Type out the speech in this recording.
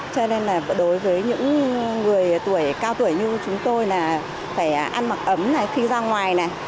cho nên là đối với những người tuổi cao tuổi như chúng tôi là phải ăn mặc ấm này khi ra ngoài này